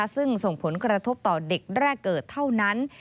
ซึ่งส่งผลกระทบต่อเด็กแรกเกิดเท่านั้น